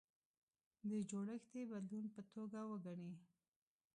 د جوړښتي بدلون په توګه وګڼي.